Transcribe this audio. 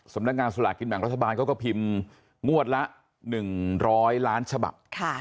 สำนักงานสลากกินแบ่งรัฐบาลเขาก็พิมพ์งวดละ๑๐๐ล้านฉบับ